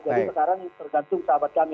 jadi sekarang tergantung sahabat kami